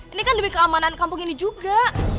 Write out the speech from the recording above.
ini kan demi keamanan kampung ini juga